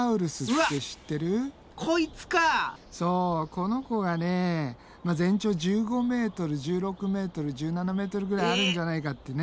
この子がね全長１５ｍ１６ｍ１７ｍぐらいあるんじゃないかってね。